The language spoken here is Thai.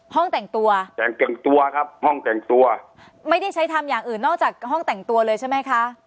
แต่งตัวแต่งตัวครับห้องแต่งตัวไม่ได้ใช้ทำอย่างอื่นนอกจากห้องแต่งตัวเลยใช่ไหมคะ